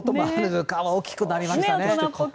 大きくなりましたね。